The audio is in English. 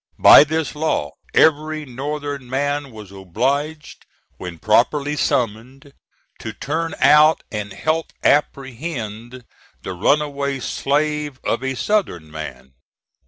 By this law every Northern man was obliged, when properly summoned, to turn out and help apprehend the runaway slave of a Southern man.